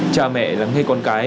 cha mẹ lắng nghe con cái